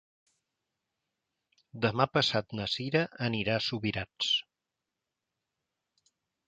Demà passat na Cira anirà a Subirats.